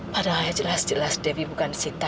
padahal jelas jelas debbie bukan sita